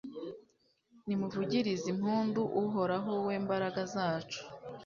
Nimuvugirize impundu Uhoraho we mbaraga zacu